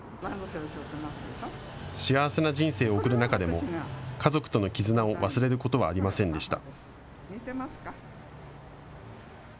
幸せな人生を送る中でも家族との絆を忘れることはありませんでした。